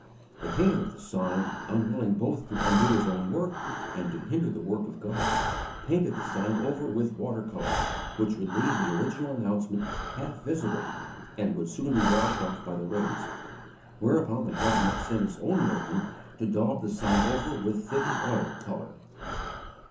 The painter of the sign, unwilling both to undo his own work and to hinder the work of God, painted the sign over with water colours, which would leave the original announcement half visible, and would soon be washed off by the rains; whereupon the government sent its own workman to daub the sign over with thick oil colour.